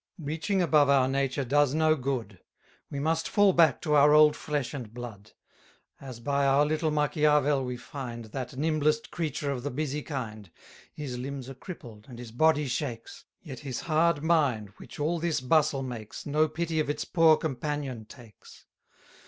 Reaching above our nature does no good; 100 We must fall back to our old flesh and blood; As by our little Machiavel we find That nimblest creature of the busy kind, His limbs are crippled, and his body shakes; Yet his hard mind which all this bustle makes, No pity of its poor companion takes.